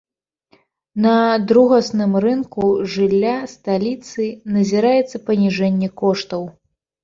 На другасным рынку жылля сталіцы назіраецца паніжэнне коштаў.